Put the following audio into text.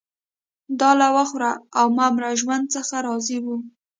دا له وخوره او مه مره ژوند څخه راضي وو